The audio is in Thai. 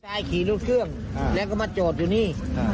ยายขี่รถเครื่องแล้วก็มาจอดอยู่นี่